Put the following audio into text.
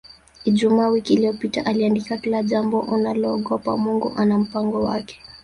Ijumaa wiki iliyopita aliandika Kila jambo unaloogopa Mungu ana mpango wake